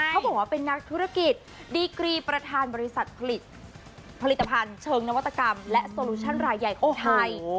เขาบอกว่าเป็นนักธุรกิจดีกรีประธานบริษัทผลิตผลิตภัณฑ์เชิงนวัตกรรมและโซลูชั่นรายใหญ่ของไทย